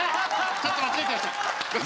ちょっと間違えちゃいました。